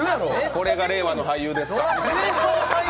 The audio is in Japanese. これが令和の俳優ですか。